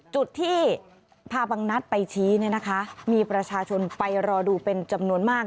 จุดที่พาบังนัดไปชี้เนี่ยนะคะมีประชาชนไปรอดูเป็นจำนวนมาก